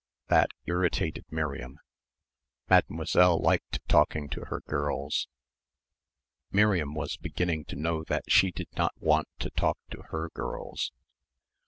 That irritated Miriam. Mademoiselle liked talking to her girls. Miriam was beginning to know that she did not want to talk to her girls.